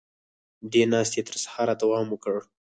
دې ناستې تر سهاره دوام وکړ.